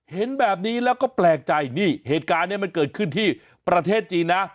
เห็นแบบนี้แล้วก็แปลกใจนี่เหตุการณ์นี้มันเกิดขึ้นที่ประเทศจีนนะ